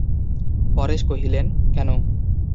পরেশ কহিলেন, কেন?